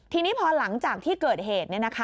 ทีนี้พอหลังจากที่เกิดเหตุ